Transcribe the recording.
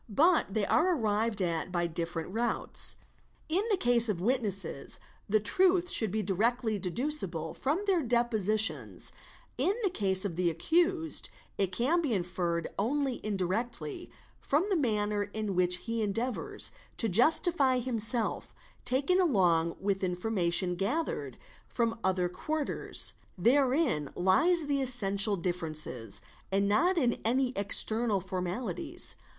But they are arrived at by different routes; in the case of witnesses the truth should be di rectly deducible from their depositions, 1n the case of the accused it can be inferred only indirectly from the manner in which he endeavours to justify himself taken along with information gathered from other quarters. Therein lies the essential difference and not in any external formalities.